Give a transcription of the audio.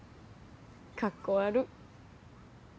かっこ悪っ。